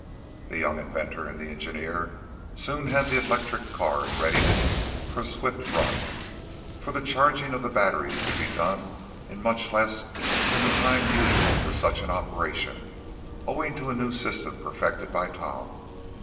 The young inventor and the engineer soon had the electric car in readiness for a swift run, for the charging of the batteries could be done in much less than the time usual for such an operation, owing to a new system perfected by Tom.